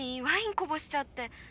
ワインこぼしちゃって。